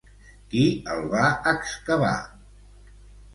Qui el va excavar?